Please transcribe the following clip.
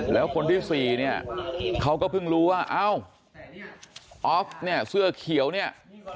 แล้วคนที่สี่เนี่ยเขาก็เพิ่งรู้ว่าเอ้าออฟเนี่ยเสื้อเขียวเนี่ย